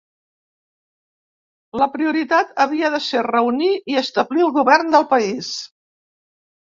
La prioritat havia de ser reunir i establir el govern del país.